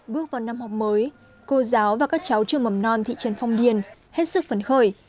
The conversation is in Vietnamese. bước vào năm học mới cô giáo và các cháu trường mầm non thị trấn phong điền hết sức phấn khởi